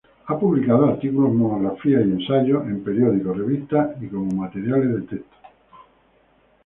Ha publicado artículos, monografías y ensayos en periódicos, revistas y como material de texto.